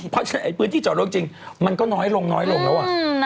เพราะฉะนั้นพื้นที่จอดรถจริงมันก็น้อยลงน้อยลงแล้ว